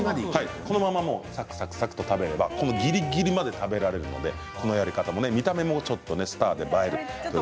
このままサクサク食べればぎりぎりまで食べられるのでこのやり方、見た目もスターで映える。